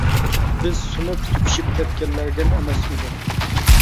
بىز سۇنۇپ تۈگىشىپ كەتكەنلەردىن ئەمەس ئىدۇق.